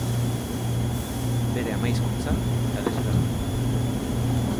Bere ama hizkuntza galesera da.